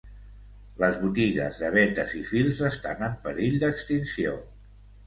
Les botigues de vetes i fils estan en perill d'extinció